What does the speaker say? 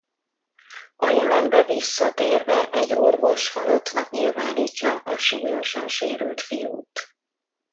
A jelenbe visszatérve egy orvos halottnak nyilvánítja a súlyosan sérült fiút.